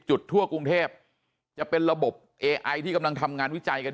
จุดทั่วกรุงเทพจะเป็นระบบเอไอที่กำลังทำงานวิจัยกัน